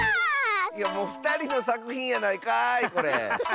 おふたりのさくひんやないかいこれ。